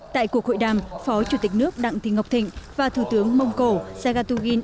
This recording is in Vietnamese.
tại cuộc hội đàm phó chủ tịch nước đặng thị ngọc thịnh và thủ tướng mông cổ sagatugin